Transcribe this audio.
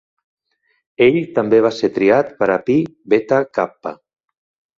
Ell també va ser triat per a Phi Beta Kappa.